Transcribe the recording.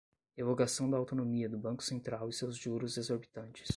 Revogação da autonomia do Banco Central e seus juros exorbitantes